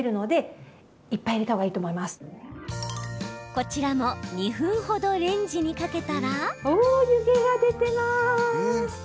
こちらも、２分ほどレンジにかけたら。